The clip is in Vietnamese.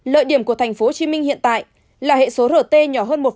lợi điểm của thành phố hồ chí minh hiện tại là hệ số rt nhỏ hơn một năm